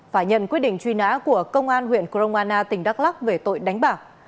phải nhận quyết định truy nã của công an huyện kromana tỉnh đắk lắc về tội đánh bạc